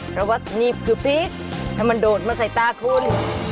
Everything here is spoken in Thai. เพราะว่านี่คือพริกถ้ามันโดดมาใส่ตาคุณ